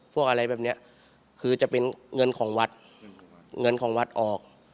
พวกอะไรแบบเนี้ยคือจะเป็นเงินของวัดเงินของวัดออก